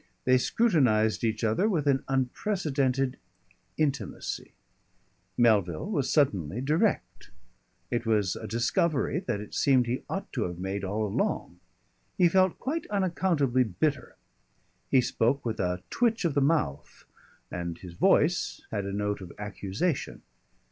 They scrutinised each other with an unprecedented intimacy. Melville was suddenly direct. It was a discovery that it seemed he ought to have made all along. He felt quite unaccountably bitter; he spoke with a twitch of the mouth and his voice had a note of accusation.